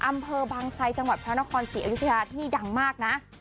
อำเภอบางไซจังหวัดพระนครศรีอยุธยาที่ดังมากนะ